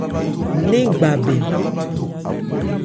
Nɛ́n gba bɛn.